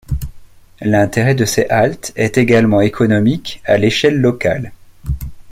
L'intérêt de ces haltes est également économique à l'échelle locale.